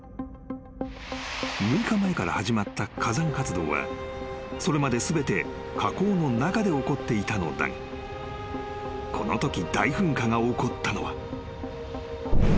［６日前から始まった火山活動はそれまで全て火口の中で起こっていたのだがこのとき大噴火が起こったのは］